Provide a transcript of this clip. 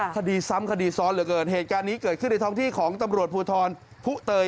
คดีซ้ำคดีซ้อนเหลือเกินเหตุการณ์นี้เกิดขึ้นในท้องที่ของตำรวจภูทรผู้เตย